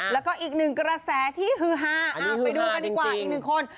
แล้วก็อีกหนึ่งกระแสที่ฮือฮาไปดูกันดีกว่าอีกหนึ่งคน